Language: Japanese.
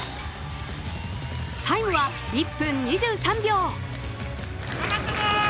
タイムは１分２３秒。